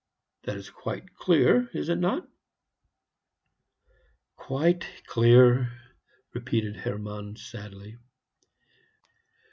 That is quite clear, is it not?" "Quite clear," repeated Hermann sadly.